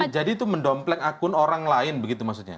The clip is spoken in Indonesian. jadi itu mendomplek akun orang lain begitu maksudnya